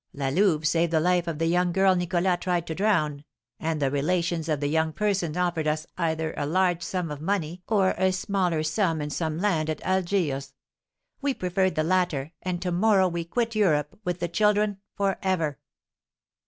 La Louve saved the life of the young girl Nicholas tried to drown, and the relations of the young person offered us either a large sum of money or a smaller sum and some land at Algiers; we preferred the latter, and to morrow we quit Europe, with the children, for ever."